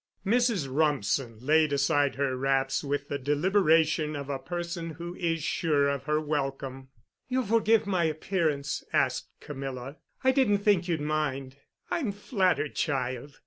Mrs. Rumsen laid aside her wraps with the deliberation of a person who is sure of her welcome. "You'll forgive my appearance?" asked Camilla. "I didn't think you'd mind." "I'm flattered, child.